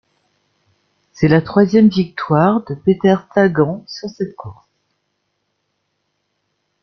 C'est la troisième victoire de Peter Sagan sur cette course.